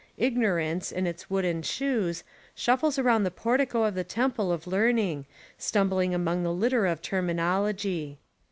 Ignorance, In Its wooden shoes, shuffles around the portico of the temple of learning, stumbling among the litter of terminology.